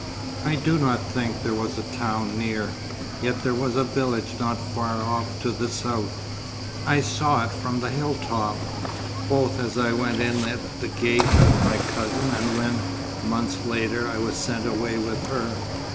"I do not think there was a town near; yet there was a village not far off to the south. I saw it from the hill top, both as I went in at the gate with my cousin, and when, months later, I was sent away with her.